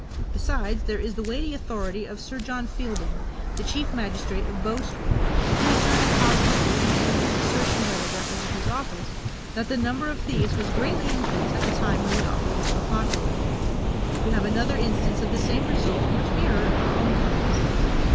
Besides, there is the weighty authority of Sir John Fielding, the chief magistrate of Bow Street, who asserted positively, and proved his assertion by the records of his office, that the number of thieves was greatly increased at the time when that opera was so popular. Lavinia Fenton, afterwards Duchess of Bolton. We have another instance of the same result much nearer our own times.